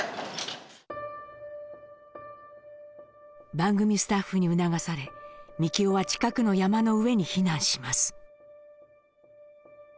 番組スタッフに促されみきおは近くの山の上に避難します。